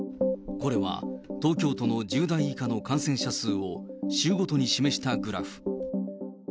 これは、東京都の１０代以下の感染者数を、週ごとに示したグラフ。